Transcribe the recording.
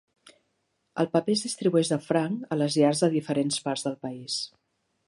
El paper es distribueix de franc a les llars de diferents parts del país.